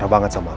terima kasih pak